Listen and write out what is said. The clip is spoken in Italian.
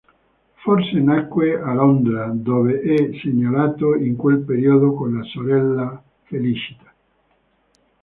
Forse nacque a Londra dove è segnalato in quel periodo con la sorella Felicita.